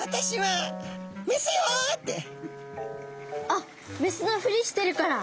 あっメスのふりしてるから。